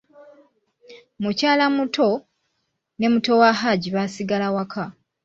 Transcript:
Mukyalamuto, ne muto wa Hajji baasigala waka.